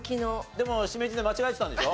でもしめじで間違えてたんでしょ？